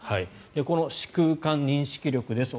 この視空間認識力です